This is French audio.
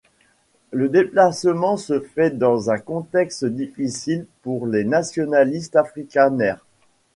Le déplacement se fait dans un contexte difficile pour les nationalistes afrikaners.